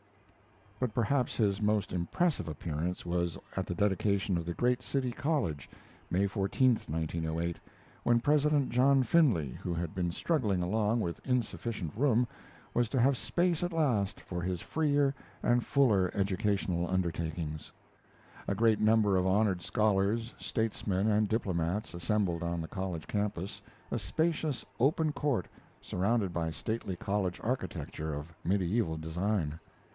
But perhaps his most impressive appearance was at the dedication of the great City College (May 14, 1908), where President John Finley, who had been struggling along with insufficient room, was to have space at last for his freer and fuller educational undertakings. A great number of honored scholars, statesmen, and diplomats assembled on the college campus, a spacious open court surrounded by stately college architecture of medieval design.